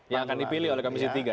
yang akan dipilih oleh komisi tiga